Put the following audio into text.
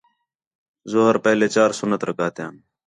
ظہر پہلے چار سُنت رکعتیان